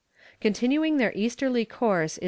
Continuing their easterly course in S.